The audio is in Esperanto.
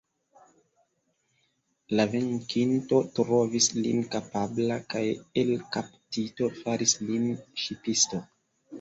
La venkinto trovis lin kapabla, kaj, el kaptito, faris lin ŝipisto.